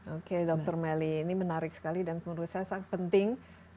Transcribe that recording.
oke dr melly ini menarik sekali dan menurut saya sangat penting